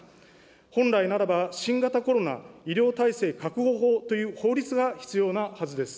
本来ならば、新型コロナ医療体制確保法という法律が必要なはずです。